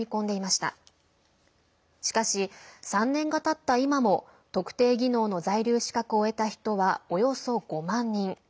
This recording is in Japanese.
しかし、３年がたった今も特定技能の在留資格を得た人はおよそ５万人。